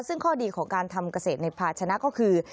ซึ่งข้อดีของการทำเกษตรในภาชนะก็คือ